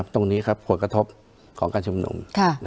ตรงนี้ครับผลกระทบของการชุมนุม